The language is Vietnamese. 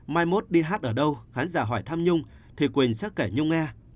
mai mốt đi hát ở đâu khán giả hỏi thăm nhung thì quỳnh sẽ kể nhung nghe